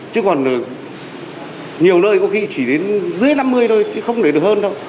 chứ còn nhiều nơi có khi chỉ đến dưới năm mươi thôi chứ không để được hơn thôi